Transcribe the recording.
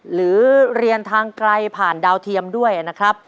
หรือเรียนทางไกลผ่านดาวเทียมด้วยนะครับ